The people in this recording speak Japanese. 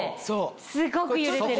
すごく揺れてる。